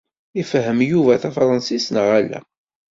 Ifehhem Yuba tafṛansist neɣ ala?